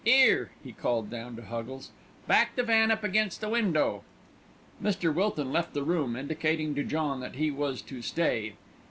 'Ere," he called down to Huggles, "back the van up against the window." Mr. Wilton left the room, indicating to John that he was to stay.